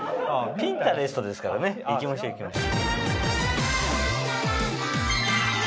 ピンタレストですからね行きましょう行きましょう。